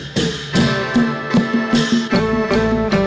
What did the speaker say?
สวัสดีครับ